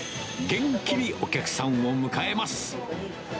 元気にお客さんを迎えます。